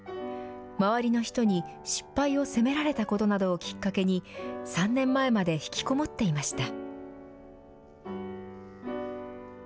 周りの人に失敗を責められたことなどをきっかけに、３年前まで引きこもっていました。